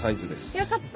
よかった！